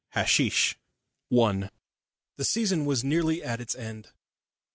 HASHEESH I The season was nearly at its end.